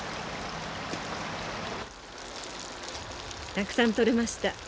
たくさん取れました。